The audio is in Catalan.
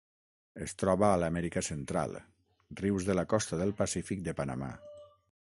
Es troba a l'Amèrica Central: rius de la costa del Pacífic de Panamà.